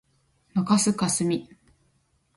中須かすみ